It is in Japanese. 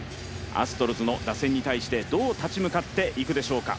アストロズの打線に対してどう立ち向かっていくでしょうか。